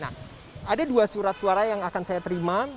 nah ada dua surat suara yang akan saya terima